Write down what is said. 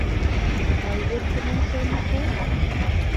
Мый верчынем шонышо?